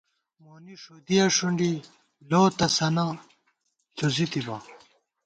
مونی ݭُدِیَہ ݭُنڈی لو تسَنہ ݪُزِی تِبہ